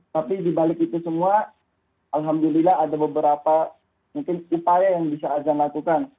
tapi dibalik itu semua alhamdulillah ada beberapa mungkin upaya yang bisa azan lakukan